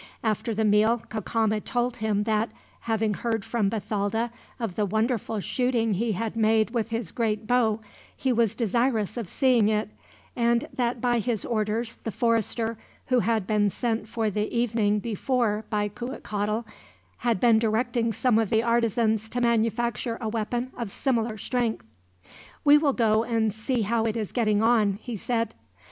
After the meal Cacama told him that, having heard from Bathalda of the wonderful shooting he had made with his great bow, he was desirous of seeing it; and that by his orders the forester, who had been sent for the evening before by Cuitcatl, had been directing some of the artisans to manufacture a weapon of similar strength. "We will go and see how it is getting on," he said.